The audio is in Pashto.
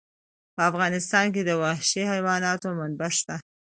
په افغانستان کې د وحشي حیواناتو منابع شته.